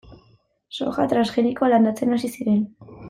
Soja transgenikoa landatzen hasi ziren.